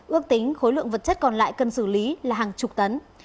ước tính khối lượng vật chất còn lại cần xử lý là hàng chục tấn